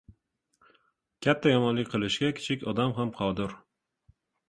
katta yomonlik qilishga kichik odam ham qodir.